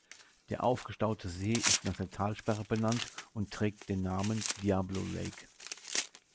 Der aufgestaute See ist nach der Talsperre benannt und trägt den Namen "Diablo Lake".